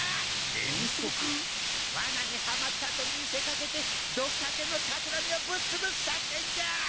ワナにはまったと見せかけてドクタケのたくらみをぶっつぶす作戦じゃ！